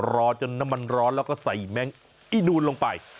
รอจนน้ำมันร้อนแล้วก็ใส่แมงอีนูนลงไป